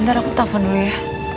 ntar aku telpon dulu ya